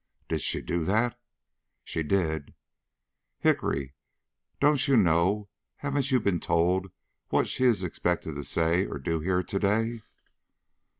"Did she do that?" "She did." "Hickory, don't you know haven't you been told what she is expected to say or do here to day?"